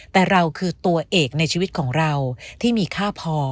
แต่เราคือตัวเอกในชีวิตของเราที่มีค่าพอ